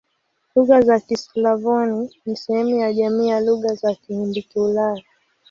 Lugha za Kislavoni ni sehemu ya jamii ya Lugha za Kihindi-Kiulaya.